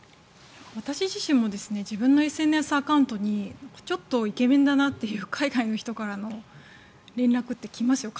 私自身も自分のＳＮＳアカウントにちょっとイケメンだなという海外の人からの連絡って来ますよ。